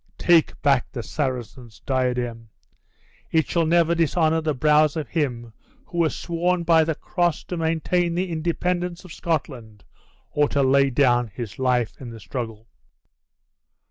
Take back the Saracen's diadem; it shall never dishonor the brows of him who has sworn by the cross to maintain the independence of Scotland, or to lay down his life in the struggle!"